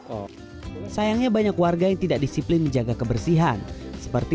oh sayangnya banyak warga yang tidak disiplin menjaga kebersihan seperti